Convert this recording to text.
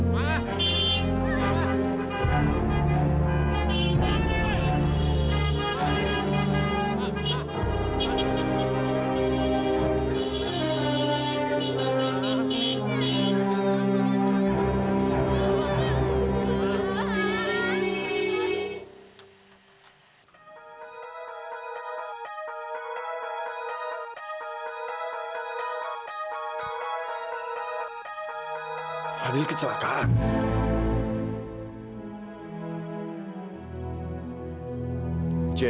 luffy kau tak apa apa